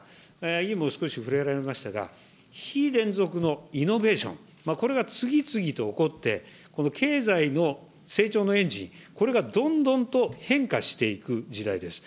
委員も少し触れられましたが、非連続のイノベーション、これが次々と起こって、この経済の成長のエンジン、これがどんどんと変化していく時代です。